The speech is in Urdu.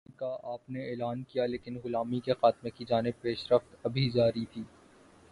سود کے خاتمے کا آپ نے اعلان کیا لیکن غلامی کے خاتمے کی جانب پیش رفت ابھی جاری تھی۔